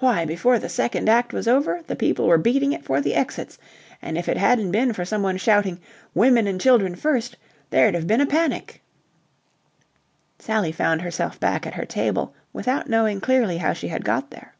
"Why, before the second act was over, the people were beating it for the exits, and if it hadn't been for someone shouting 'Women and children first' there'd have been a panic." Sally found herself back at her table without knowing clearly how she had got there.